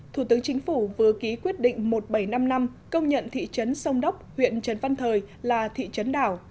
thủ tướng chính phủ vừa ký quyết định một trăm bảy mươi năm năm công nhận thị trấn sông đốc huyện trần văn thời là thị trấn đảo